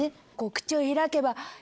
口を開けば。